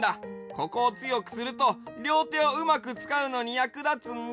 ここをつよくするとりょうてをうまくつかうのにやくだつんだ。